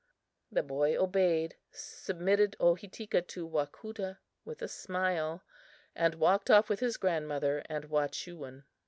The boy obeyed, submitted Ohitika to Wacoota with a smile, and walked off with his grandmother and Wahchewin.